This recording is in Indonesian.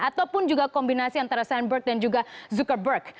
ataupun juga kombinasi antara sandburg dan juga zuckerberg